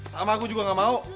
sama aku juga gak mau